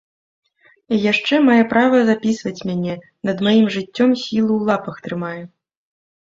І яшчэ мае права запісваць мяне, над маім жыццём сілу ў лапах трымае.